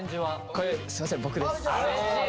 これすいません僕です。